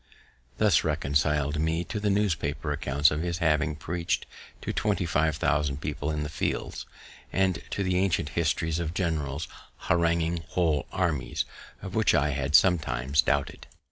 This reconcil'd me to the newspaper accounts of his having preach'd to twenty five thousand people in the fields, and to the ancient histories of generals haranguing whole armies, of which I had sometimes doubted.